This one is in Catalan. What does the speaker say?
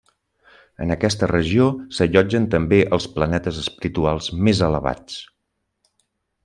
En aquesta regió s'allotgen també els planetes espirituals més elevats.